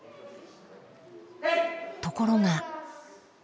ところが。